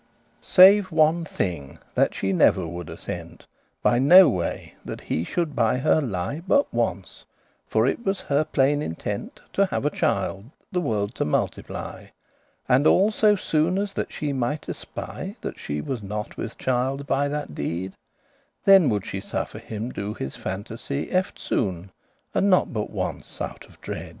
*loved Save one thing, that she never would assent, By no way, that he shoulde by her lie But ones, for it was her plain intent To have a child, the world to multiply; And all so soon as that she might espy That she was not with childe by that deed, Then would she suffer him do his fantasy Eftsoon,* and not but ones, *out of dread.